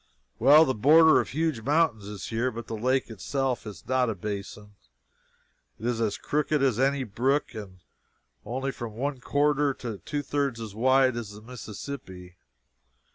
Well, the border of huge mountains is here, but the lake itself is not a basin. It is as crooked as any brook, and only from one quarter to two thirds as wide as the Mississippi.